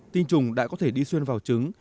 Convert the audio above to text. tinh trùng đã có thể đi xuyên vào trứng